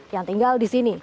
yang tinggal di sini